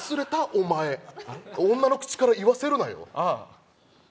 お前女の口から言わせるなよああ